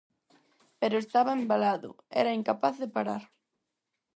Pero estaba embalado, era incapaz de parar.